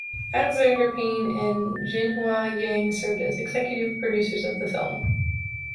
Alexander Payne and Jinhua Yang served as executive producers of the film.